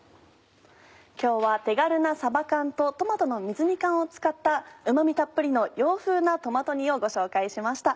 今日は手軽なさば缶とトマトの水煮缶を使ったうま味たっぷりの洋風なトマト煮をご紹介しました。